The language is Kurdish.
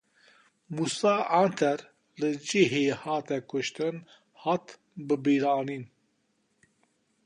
Mûsa Anter li cihê hate kuştin hat bibîranîn.